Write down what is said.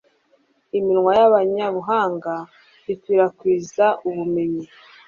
Iminwa y’abanyabuhanga ikwirakwiza ubumenyi